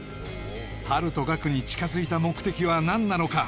ハルとガクに近づいた目的は何なのか？